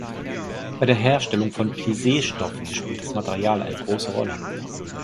Bei der Herstellung von Plissee-Stoffen spielt das Material eine große Rolle.